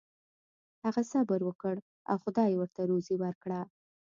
هغه صبر وکړ او خدای ورته روزي ورکړه.